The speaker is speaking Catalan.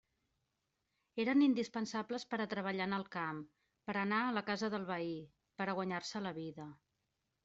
Eren indispensables per a treballar en el camp, per a anar a la casa del veí, per a guanyar-se la vida.